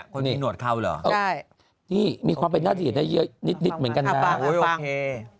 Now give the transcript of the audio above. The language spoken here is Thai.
คนพี่หนวดเข้าหรออ๋อนี่มีความเป็นน่าเหลียดได้เยอะนิดเหมือนกันน่ะอุ้ยโอเค